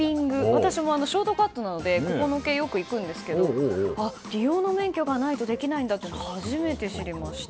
私もショートカットなのでうなじの毛、よく行くんですけど理容の免許がないとできないんだというのは初めて知りました。